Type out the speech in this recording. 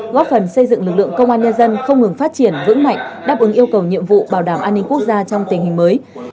góp phần xây dựng lực lượng công an nhân dân không ngừng phát triển vững mạnh đáp ứng yêu cầu nhiệm vụ bảo đảm an ninh quốc gia trong tình hình mới